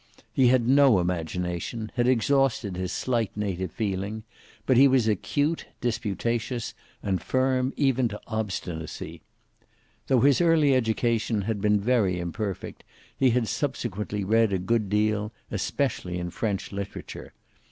He had no imagination, had exhausted his slight native feeling, but he was acute, disputatious, and firm even to obstinacy. Though his early education had been very imperfect, he had subsequently read a good deal, especially in French literature.